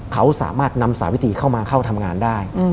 เขาสามารถนำสาวิติเข้ามาเข้าทำงานได้